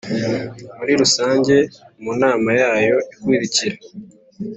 muri Rusange mu nama yayo ikurikira